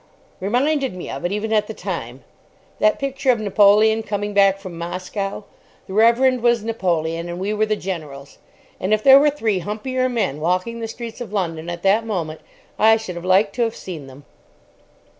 Reminded me of it even at the time: that picture of Napoleon coming back from Moscow. The Reverend was Napoleon, and we were the generals; and if there were three humpier men walking the streets of London at that moment I should have liked to have seen them.